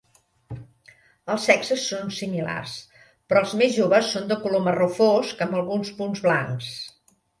Els sexes són similars, però els més joves son de color marró fosc amb alguns punts blancs.